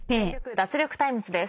脱力タイムズ』です。